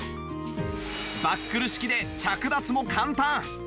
バックル式で着脱も簡単！